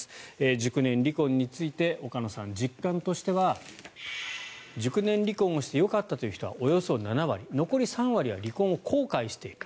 熟年離婚について岡野さん、実感としては熟年離婚をしてよかったという人はおよそ７割残り３割は離婚を後悔している。